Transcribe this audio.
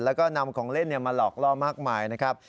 แล้วก็นำของเล่นมาหลอกล่อมากมายนะครับ